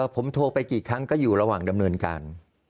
ผมโทรไปกี่ครั้งก็อยู่ระหว่างดำเนินการ